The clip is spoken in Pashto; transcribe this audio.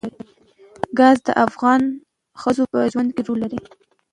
ګاز د افغان ښځو په ژوند کې رول لري.